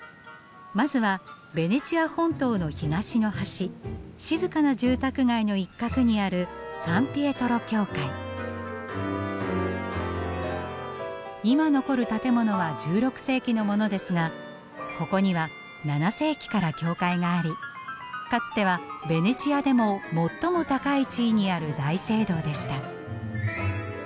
まずはベネチア本島の東の端静かな住宅街の一角にある今残る建物は１６世紀のものですがここには７世紀から教会がありかつてはベネチアでも最も高い地位にある大聖堂でした。